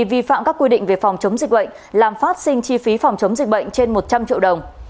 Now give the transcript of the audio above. vi phạm các quy định về phòng chống dịch bệnh làm phát sinh chi phí phòng chống dịch bệnh trên một trăm linh triệu đồng